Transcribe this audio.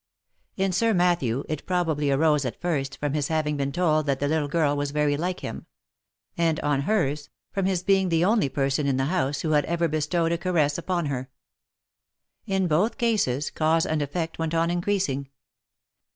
In Sir Matthew it. pro bably arose at first from his having been told that the little girl was very like him ; and, on hers, from his being the only person in the house who had ever bestowed a caress upon her. In both cases, cause and effect went on increasing.